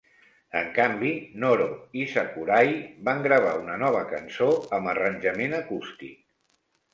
En canvi, Noro i Sakurai van gravar una nova cançó amb arranjament acústic.